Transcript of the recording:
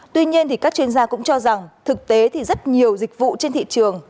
tuy nhiên các chuyên gia cũng cho rằng thực tế thì rất nhiều dịch vụ trên thị trường